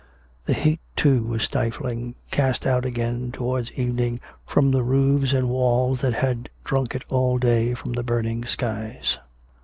The heat, too, was stifling, cast out again towards evening from the roofs and walls that had drunk it in all day from the burning skies.